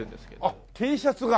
あっＴシャツが？